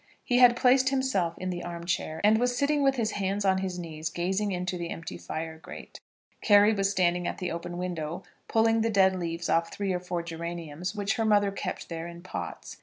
He had placed himself in the arm chair, and was sitting with his hands on his knees gazing into the empty fire grate. Carry was standing at the open window, pulling the dead leaves off three or four geraniums which her mother kept there in pots.